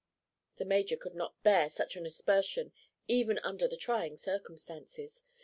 The major could not bear such an aspersion, even under the trying circumstances.